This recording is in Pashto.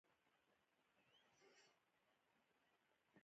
مېوې د افغانستان په هره برخه کې موندل کېږي.